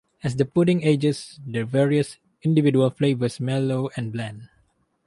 As the pudding ages the various individual flavors mellow and blend.